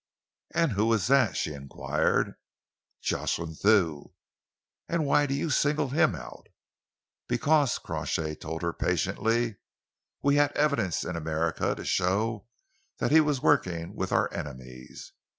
"And who is that?" she enquired. "Jocelyn Thew." "And why do you single him out?" "Because," Crawshay told her patiently, "we had evidence in America to show that he was working with our enemies.